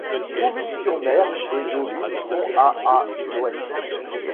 Trouville-sur-Mer et Deauville sont à à l'ouest.